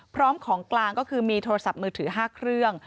พร้อมของกลางก็คือมีโทรศัพท์มือถือ๕เครื่อง